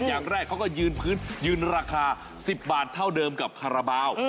อย่างแรกเขาก็ยืนพื้นยืนราคา๑๐บาทเท่าเดิมกับคาราบาล